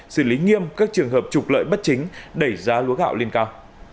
xử lý nghiêm các trường hợp trục lợi bất chính đẩy giá lúa gạo lên cao